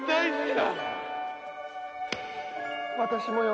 私もよ。